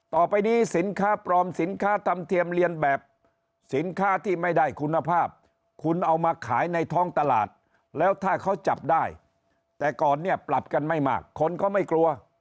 ต่อไปนี้สินค้าปลอมสินค้าทำเทียมเรียนแบบสินค้าที่ไม่ได้คุณภาพคุณเอามาขายในท้องตลาดแล้วถ้าเขาจับได้แต่ก่อนเนี่ยปรับกันไม่มากคนก็ไม่กลัว